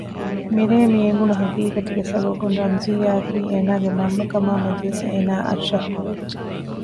މިރޭ މި އެނގުނު ހަޤީޤަތުގެ ސަބަބުން ރަމްޒިއްޔާއަކީ އޭނާގެ މަންމަ ކަމާމެދުވެސް އޭނާއަށް ޝައްކުވެއްޖެ